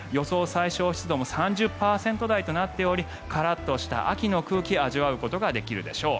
最小湿度も３０％台となっておりカラッとした秋の空気を味わうことができるでしょう。